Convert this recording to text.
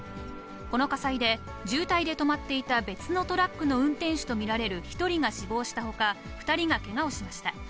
この火災で渋滞で止まっていた別のトラックの運転手と見られる１人が死亡したほか、２人がけがをしました。